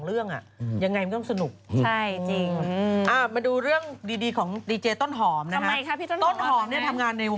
หลังนี้ของมันก็มาจากเอกทีน